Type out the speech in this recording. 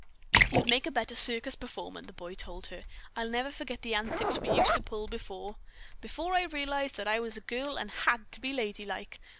"You'd make a better circus performer," the boy told her. "I'll never forget the antics we used to pull, before " "Before I realized that I was a girl and had to be ladylike."